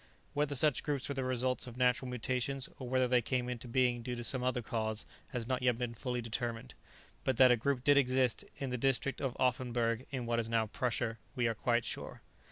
Whether such groups were the results of natural mutations, or whether they came into being due to some other cause, has not yet been fully determined, but that a group did exist in the district of Offenburg, in what is now Prussia, we are quite sure.